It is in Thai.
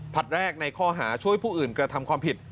พรรดิรายแรกในคอกหาช่วยผู้อื่นกระทำความผิด